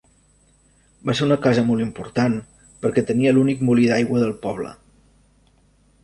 Va ser una casa molt important perquè tenia l'únic molí d'aigua del poble.